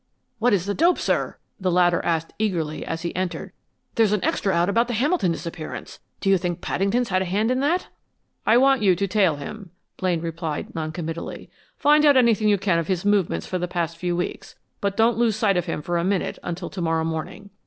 "What is the dope, sir?" the latter asked eagerly, as he entered. "There's an extra out about the Hamilton disappearance. Do you think Paddington's had a hand in that?" "I want you to tail him," Blaine replied, non committally. "Find out anything you can of his movements for the past few weeks, but don't lose sight of him for a minute until to morrow morning.